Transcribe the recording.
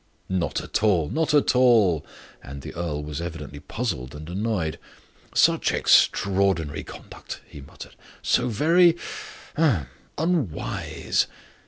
"Not at all not at all!" And the earl was evidently puzzled and annoyed. "Such extraordinary conduct," he muttered: "so very ahem! unwise.